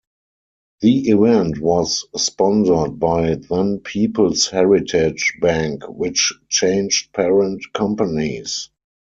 The event was sponsored by then People's Heritage Bank, which changed parent companies.